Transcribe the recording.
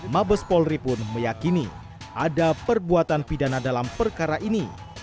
mabes polri pun meyakini ada perbuatan pidana dalam perkara ini